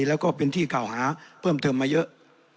แล้วก็เป็นที่เก่าหาเพิ่มเติมมาเยอะ